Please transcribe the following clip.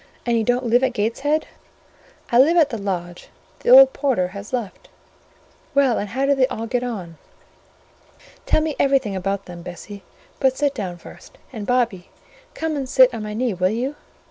"And you don't live at Gateshead?" "I live at the lodge: the old porter has left." "Well, and how do they all get on? Tell me everything about them, Bessie: but sit down first; and, Bobby, come and sit on my knee, will you?"